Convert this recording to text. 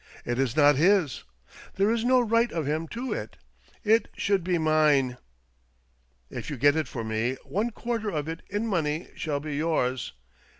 It is not his ! There is no right of him to it ! It should be mine. If you get it for me one quarter of it in money shall be yours